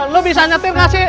lo bisa nyetir gak sih